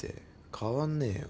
変わんねえよ。